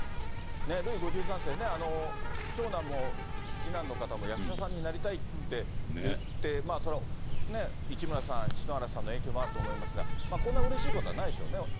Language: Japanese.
ルイ５３世ね、長男も次男の方も役者さんになりたいって言って、市村さん、篠原さんの影響もあると思いますが、こんなうれしいことはないでしょうね。